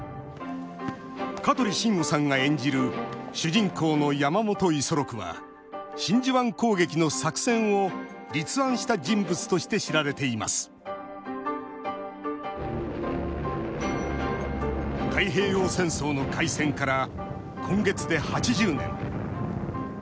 香取慎吾さんが演じる主人公の山本五十六は真珠湾攻撃の作戦を立案した人物として知られています太平洋戦争の開戦から今月で８０年。